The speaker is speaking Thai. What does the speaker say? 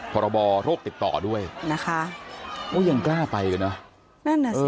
พบโรคติดต่อด้วยยังกล้าไปกันอ่ะ